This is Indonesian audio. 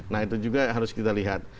nah itu juga harus kita lihat